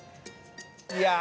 いや！